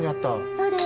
そうです。